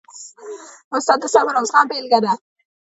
استاد د صبر او زغم بېلګه ده.